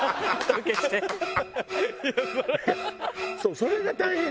それが大変。